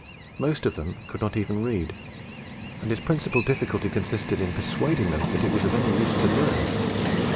Most of them could not even read, and his principal difficulty consisted in persuading them that it was of any use to learn.